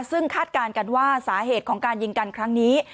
ซึ่งคาดการณ์กันว่าสาเหตุของการยิงกันครั้งนี้